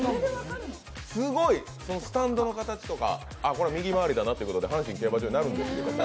すごい、スタンドの形とか右回りだなってことで阪神競馬場になるんですけれども。